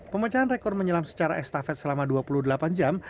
pemecahan rekor menyelam secara estafet selama dua puluh delapan jam